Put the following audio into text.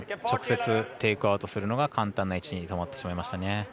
直接テイクアウトするのが簡単な位置に止まってしまいましたね。